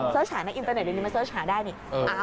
สื่อหาในอินเทอร์เนทเรียนยังมาเซอร์ชหาด้านี้